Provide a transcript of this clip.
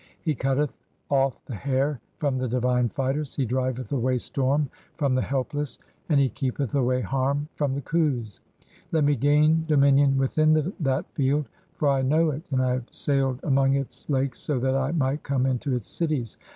He cutteth off the hair from the "divine fighters, he driveth away storm from the helpless, and "he keepeth away harm from the Khus. (10) Let me gain do "minion within that Field, for I know it, and I have sailed "among its lakes so that I might come into its cities.